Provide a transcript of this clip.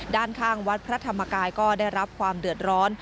ด้านข้างวัดพระธรรมกายก็ได้รับความเดือดร้อน